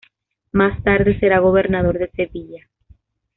Más tarde será gobernador de Sevilla.